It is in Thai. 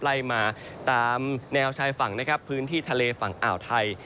ไล่มาตามแนวชายฝั่งนะครับพื้นที่ทะเลฝั่งอ่าวไทย